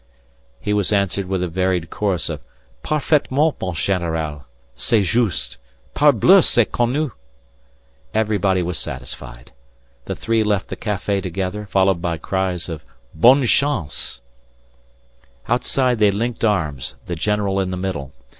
He was answered with a varied chorus of "Parfaitement mon Général... C'est juste... Parbleu c'est connu..." Everybody was satisfied. The three left the café together, followed by cries of "Bonne chance." Outside they linked arms, the general in the middle.